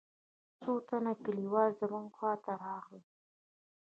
څو تنه كليوال زموږ خوا ته راغلل.